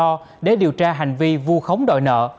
do để điều tra hành vi vu khống đòi nợ